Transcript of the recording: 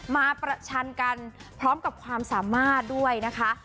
มาประชันกันพร้อมกับความสามารถด้วยนะคะ